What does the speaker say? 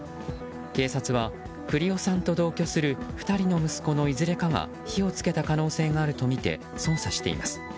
警察は栗尾さんと同居する２人の息子のいずれかが火を付けた可能性があるとみて捜査しています。